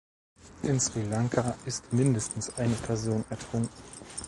In Sri Lanka ist mindestens eine Person ertrunken.